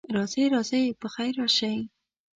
راځئ، راځئ، پخیر راشئ.